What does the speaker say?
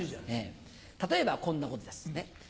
例えばこんなことです。